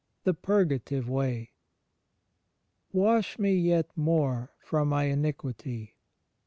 ui:8. m THE PURGATIVE WAY Wash me yet more from my iniquity.